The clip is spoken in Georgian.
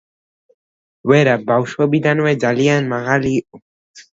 ვერა ბავშვობიდანვე ძალიან მაღალი იყო.